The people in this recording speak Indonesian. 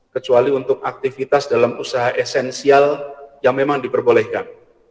kecuali untuk aktivitas dalam usaha esensial yang memang diperbolehkan